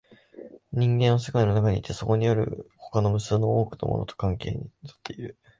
人間は世界の中にいて、そこにある他の無数の多くのものと関係に立っている。